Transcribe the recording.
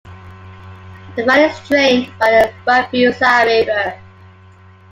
The valley is drained by the Rabiusa river.